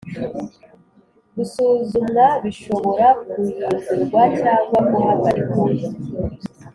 gusuzumwa bishobora guhindurwa cyangwa guhagarikwa